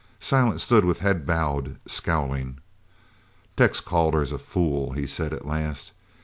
Silent stood with head bowed, scowling. "Tex Calder's a fool," he said at last.